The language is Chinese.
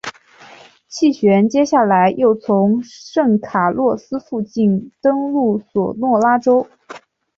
气旋接下来又从圣卡洛斯附近登陆索诺拉州。